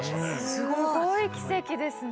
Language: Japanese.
すごい奇跡ですね。